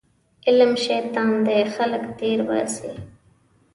علم شیطان دی خلک تېرباسي